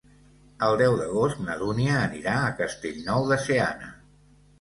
El deu d'agost na Dúnia anirà a Castellnou de Seana.